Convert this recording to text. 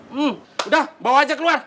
hmm udah bawa aja keluar